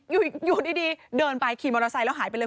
อยู่ดีเดินไปขี่มอเตอร์ไซค์แล้วหายไปเลย